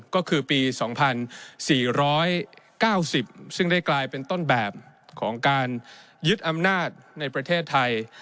ก็คือปี๒๔๙๐ซึ่งได้กลายเป็นต้นแบบของการยึดอำนาจในประเทศไทย